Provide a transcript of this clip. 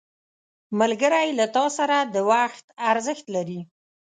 ملګری له تا سره د وخت ارزښت لري